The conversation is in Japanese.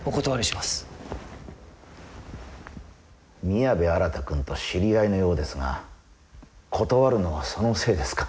宮部新くんと知り合いのようですが断るのはそのせいですか？